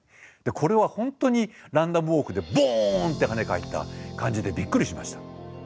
これは本当にランダムウォークでボンって跳ね返った感じでびっくりしました。